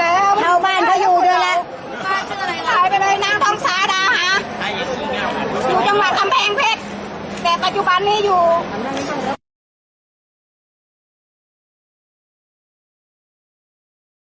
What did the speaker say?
อาหรับเชี่ยวจามันไม่มีควรหยุด